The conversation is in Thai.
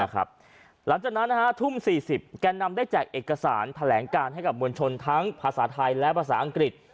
หลังจากนั้นทุ่ม๔๐แกนนำได้แจกเอกสารแถลงการให้กับมวลชนทั้งภาษาไทยและภาษาอังกฤษ